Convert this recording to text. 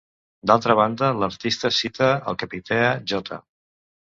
D'altra banda, l'artista cita el Capità J.